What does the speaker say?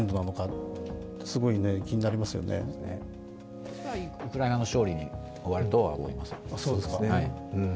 とはいえウクライナの勝利で終わるとは思いません。